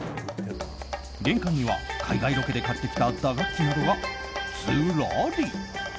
玄関には、海外ロケで買ってきた打楽器などがずらり。